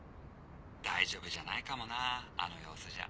大丈夫じゃないかもなあの様子じゃ。